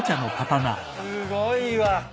すごいわ。